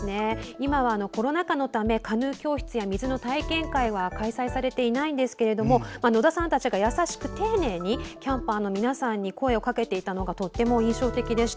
今はコロナ禍のためカヌー教室や水の体験会は開催されていないんですけれども野田さんたちが優しく丁寧にキャンパーに声をかけていたのが印象的でした。